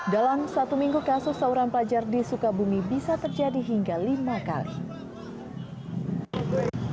dalam satu minggu kasus sauran pelajar di sukabumi bisa terjadi hingga lima kali